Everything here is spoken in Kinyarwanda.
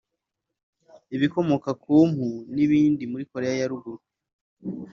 ibikomoka ku mpu n’ibindi muri Koreya ya Ruguru